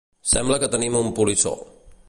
Sembla que tenim un polissó.